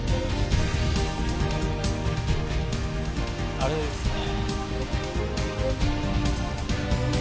あれですね。